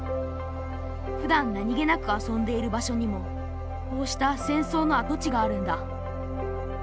ふだん何気なく遊んでいる場所にもこうした戦争の跡地があるんだ。